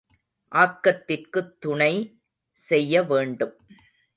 ஆக்கத்திற்குத் துணை செய்ய வேண்டும்.